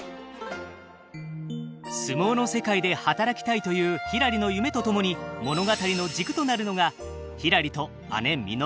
相撲の世界で働きたいというひらりの夢と共に物語の軸となるのがひらりと姉みのり安藤竜太